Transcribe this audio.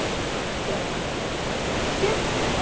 いやだからだからお前ちょっと聞けっつーの！